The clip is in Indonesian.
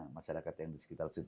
masyarakat yang di sekitar sini